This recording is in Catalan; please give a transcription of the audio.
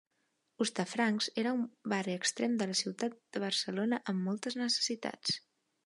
Hostafrancs era un barri extrem de la ciutat de Barcelona amb moltes necessitats.